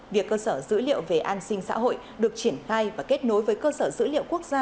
việc cơ sở dữ liệu về an sinh xã hội được triển khai và kết nối với cơ sở dữ liệu quốc gia